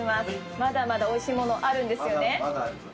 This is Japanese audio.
まだまだおいしいものあるんですよね。